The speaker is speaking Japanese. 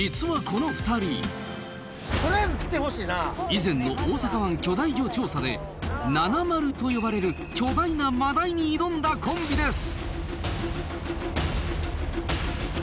以前の大阪湾巨大魚調査でナナマルと呼ばれる巨大なマダイに挑んだコンビです。